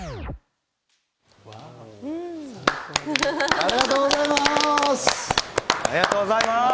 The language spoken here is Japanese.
ありがとうございます！